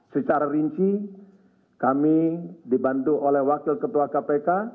secara rinci kami dibantu oleh wakil ketua kpk